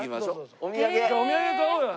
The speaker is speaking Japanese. お土産買おうよ先に。